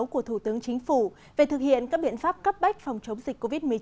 của thủ tướng chính phủ về thực hiện các biện pháp cấp bách phòng chống dịch covid một mươi chín